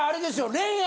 恋愛。